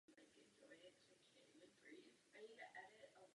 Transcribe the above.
Vystudovala Přírodovědeckou fakultu Univerzity Palackého v Olomouci.